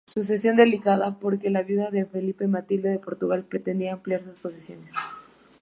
Sucesión delicada porque la viuda de Felipe, Matilde de Portugal pretendía ampliar sus posesiones.